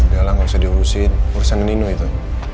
gak usah diurusin urusan nino itu